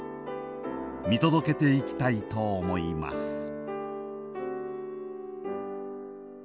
見届けていきたいと思います。